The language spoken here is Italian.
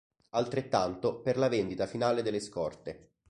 Altrettanto per la vendita finale delle scorte.